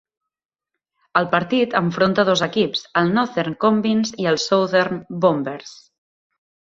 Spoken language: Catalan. El partit enfronta dos equips, el Northern Combines i el Southern Bombers.